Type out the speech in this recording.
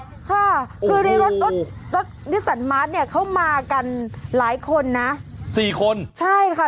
ค่ะคือในรถรถนิสันมาร์ทเนี่ยเขามากันหลายคนนะสี่คนใช่ค่ะ